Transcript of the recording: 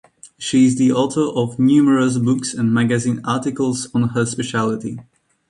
She is the author of numerous books and magazine articles on her specialty.